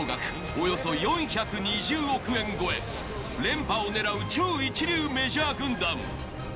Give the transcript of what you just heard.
およそ４２０億円超え連覇を狙う超一流メジャー軍団。